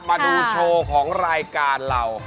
มาดูโชว์ของรายการเรา